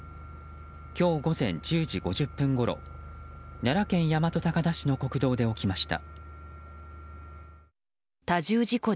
今日午前１０時５０分ごろ奈良県大和高田市の国道で起きました。